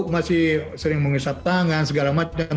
masih sering menghisap tangan segala macam